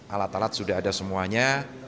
alat alat sudah ada semuanya